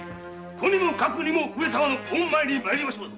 とにかく上様の御前に参りましょうぞ！